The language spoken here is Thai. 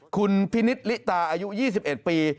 คุณพินิษฐ์ลิตาอายุ๒๑ปี